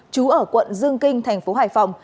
chú ở quận dương kinh thành phố hải phòng